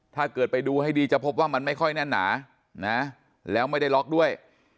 ถ้าเกิดไปดูให้ดีจะพบว่ามันไม่ค่อยแน่นหนานะแล้วไม่ได้ล็อกด้วย